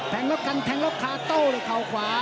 แผงแล้วกันแข่งแล้วขาเต้าเลยเข้าขวา